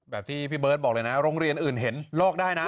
แบบที่พี่เบิร์ตบอกเลยนะโรงเรียนอื่นเห็นลอกได้นะ